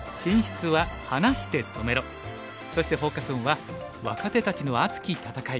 そしてフォーカス・オンは「若手たちの熱き戦い！